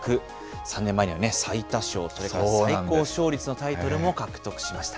３年前にはね、最多勝、それから最高勝率のタイトルも獲得しました。